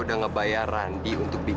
oh pas geremoninya